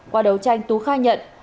qua đấu tranh tú khai nhận